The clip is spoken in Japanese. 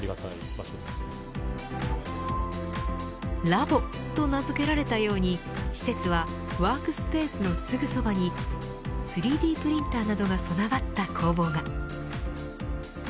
ラボと名付けられたように施設はワークスペースのすぐそばに３Ｄプリンタなどが備わった工房が。